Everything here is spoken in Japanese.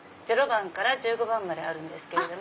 ０番から１５番まであるんですけど。